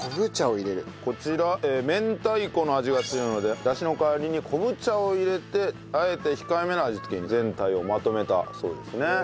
こちら明太子の味が強いのでダシの代わりに昆布茶を入れてあえて控えめな味付けに全体をまとめたそうですね。